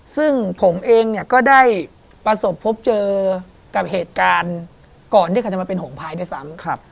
ซึ่งผมเองเนี่ยก็ได้ประสบพบเจอกับเหตุการณ์ก่อนที่เขาจะมาเป็นหงพายด้วยซ้ำ